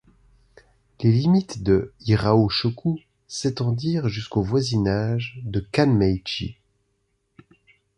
Les limites de Hirao-shuku s'étendirent jusqu'au voisinage de Kanmei-ji.